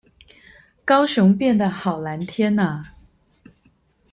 高雄變得好藍天阿